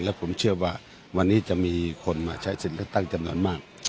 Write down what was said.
และผมเชื่อว่าวันนี้จะมีคนมาใช้สิทธิ์เลือกตั้งจำนวนมาก